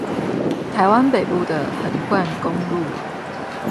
臺灣北部的橫貫公路